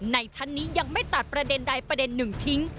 ในชั้นนี้ยังไม่ตัดประเด็นใดประเด็นหนึ่งทิ้ง